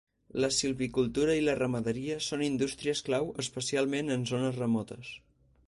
La silvicultura i la ramaderia són indústries clau especialment en zones remotes.